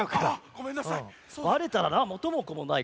ごめんなさい。